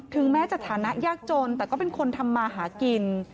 แม้จะฐานะยากจนแต่ก็เป็นคนทำมาหากิน